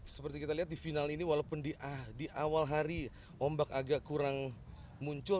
seperti kita lihat di final ini walaupun di awal hari ombak agak kurang muncul